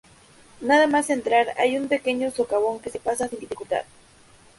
Nada más entrar hay un pequeño socavón que se pasa sin dificultad.